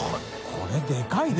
これでかいな。